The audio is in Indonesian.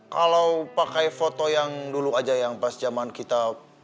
kalau pakai foto yang dulu aja yang pas zaman kita